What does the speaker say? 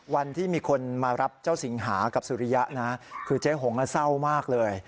วันที่มีคนมารับเจ้าสิงหากับสุริยะนะคือเจ๊หงเศร้ามากเลย